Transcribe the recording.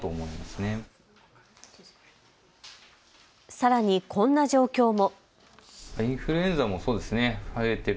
さらにこんな状況も。